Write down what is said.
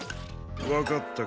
わかったか？